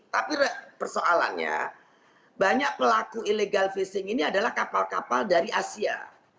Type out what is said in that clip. tapi persoalannya banyak pelaku illegal fishing ini adalah kapal kapal dari asia